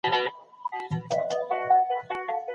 د سپتمبر په لومړۍ نېټه به زه خپله ازموینه ورکړم.